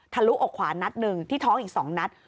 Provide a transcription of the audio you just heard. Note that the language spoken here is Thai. ลุอกขวานัดหนึ่งที่ท้องอีก๒นัด